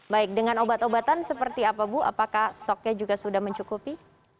baik dengan obat obatan seperti apa bu apakah stoknya juga sudah mencukupi